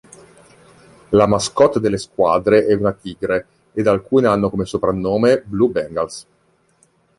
La mascotte delle squadre è una tigre ed alcune hanno come soprannome "Blue Bengals".